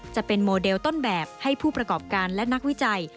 จะเป็นโมเดลต้นแบบให้ผู้ประกอบการและนักวิจัย